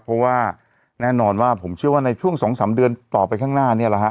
เพราะว่าแน่นอนว่าผมเชื่อว่าในช่วง๒๓เดือนต่อไปข้างหน้าเนี่ยแหละฮะ